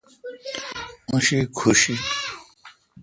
اوں شی کھوش این۔